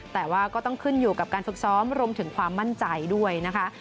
แต่ว่าก็ต้องขึ้นอยู่กับการฝึกซ้อมรวมถึงความมั่นใจด้วยนะคะ